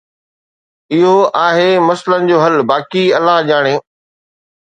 اهو آهي مسئلن جو حل، باقي الله ڄاڻي.